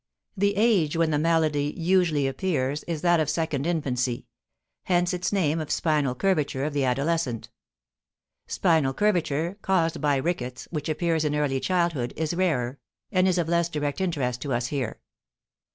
The age when the malady usually appears is that of second infancy, hence its name of spinal curvature of the adolescent; spinal curvature caused by rickets, which appears in early childhood, is rarer, and is of less direct interest to us here.